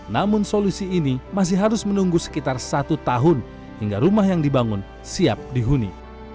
namun solusi ini masih harus menunggu sekitar satu tahun hingga rumah yang dibangun siap dihuni